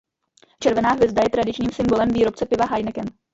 Červená hvězda je tradičním symbolem výrobce piva Heineken.